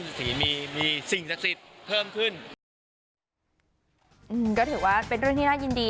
สาธารณีสี่มุมออกมาทั้งเว็บเลขนี้เลยครับ